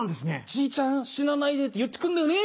「じいちゃん死なないで」って言って来るんだよね。